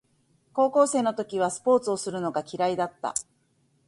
高校生の時はスポーツをするのが嫌いだった